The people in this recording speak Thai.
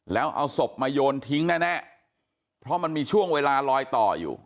แล้วเอาศพมาโยนทิ้งแน่เพราะมันมีช่วงเวลาลอยต่ออยู่